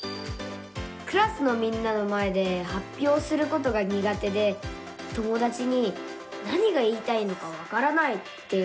クラスのみんなの前ではっぴょうすることがにが手で友だちに「何が言いたいのかわからない」って言われちゃうんです。